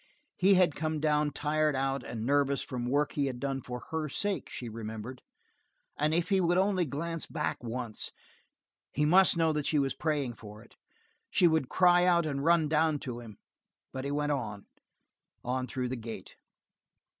He had come down tired out and nervous from work he had done for her sake, she remembered, and if he would only glance back once he must know that she was praying for it she would cry out and run down to him; but he went on, on, through the gate.